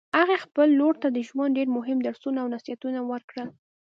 هغې خپلې لور ته د ژوند ډېر مهم درسونه او نصیحتونه ورکړل